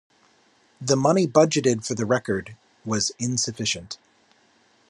The money budgeted for the record was insufficient.